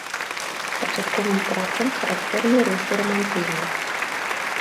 Пачатковым працам характэрны рысы рамантызму.